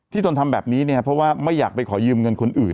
ตนทำแบบนี้เนี่ยเพราะว่าไม่อยากไปขอยืมเงินคนอื่น